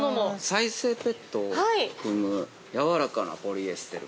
◆再生ＰＥＴを含むやわらかなポリエステル。